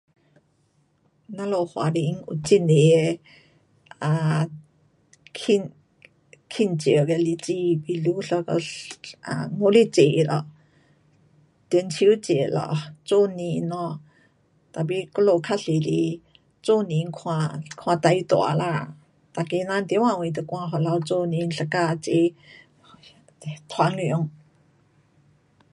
我们华人有很多庆祝的日子，有端午节，中秋节，做年 no，tapi 我们较多是做年是最大啦。大家多远都赶回来做年大家集。